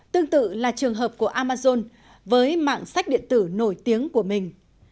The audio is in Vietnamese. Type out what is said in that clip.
tương tự là trường hợp của amazon với mạng sách điện tử nổi tiếng của mình